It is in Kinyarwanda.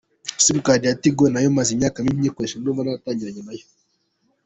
Simukadi ya Tigo nayo maze imyaka myinshi nyikoresha, ndunva naratangiranye nayo.